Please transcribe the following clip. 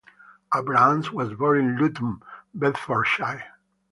Abrahams was born in Luton, Bedfordshire.